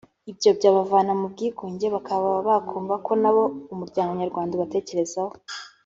ibyo byabavana mu bwigunge bakaba bakumva ko na bo umuryango Nyarwanda ubatekerezaho